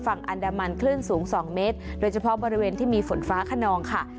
ฝั่งอันดามันคลื่นสูง๒เมตรโดยเฉพาะบริเวณที่มีฝนฟ้าขนองค่ะ